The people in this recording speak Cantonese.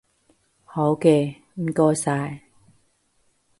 好嘅，唔該晒